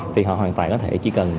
thì họ hoàn toàn có thể chỉ cần